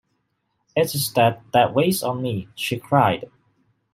"It is that that weighs on me," she cried.